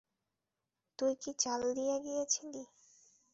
তুই কি চাল দিয়া গিয়াছিলি।